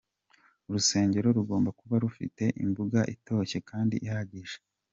Urusengero rugomba kuba rufite imbuga itoshye kandi ihagije.